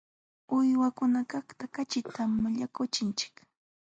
Uywakunakaqta kaćhitam llaqwachinchik.